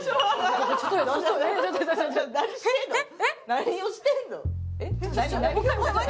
何をしてんの？